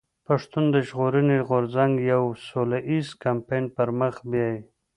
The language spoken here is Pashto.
پښتون ژغورني غورځنګ يو سوله ايز کمپاين پر مخ بيايي.